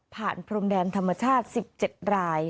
ผ่านโครมแดนธรรมชาติ๑๗ราย